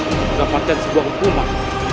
untuk mendapatkan sebuah hukuman